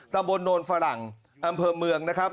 ตะบทนอลฝรั่งอำเภอเมืองนะครับ